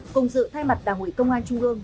cùng dự thay mặt đảng ủy công an trung ương